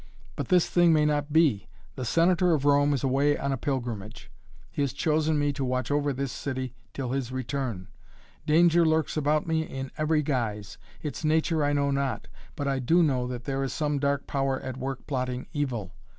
But this thing may not be. The Senator of Rome is away on a pilgrimage. He has chosen me to watch over this city till his return. Danger lurks about me in every guise. Its nature I know not. But I do know that there is some dark power at work plotting evil.